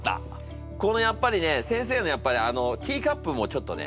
このやっぱりね先生のやっぱりあのティーカップもちょっとね